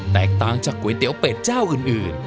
แตกต่างจากก๋วยเตี๋ยวเป็ดเจ้าอื่น